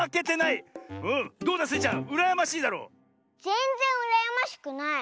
ぜんぜんうらやましくない。